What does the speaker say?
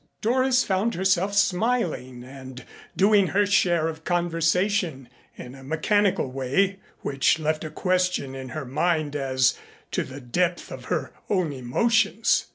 Doris found herself smiling, and doing her share of conversation in a mechanical way which left a question in her mind as to the depth of her own emotions.